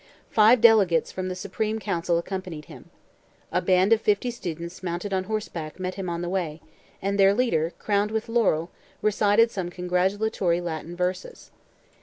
Five delegates from the Supreme Council accompanied him. A band of fifty students mounted on horseback met him on the way, and their leader, crowned with laurel, recited some congratulatory Latin verses.